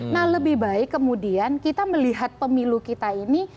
nah lebih baik kemudian kita melihat pemilu kita ini